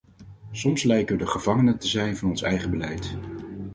Soms lijken we de gevangenen te zijn van ons eigen beleid.